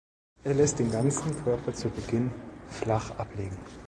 Er lässt den ganzen Körper zu Beginn flach ablegen.